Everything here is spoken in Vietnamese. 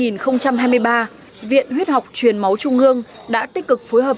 năm hai nghìn hai mươi ba viện huyết học truyền máu trung ương đã tích cực phối hợp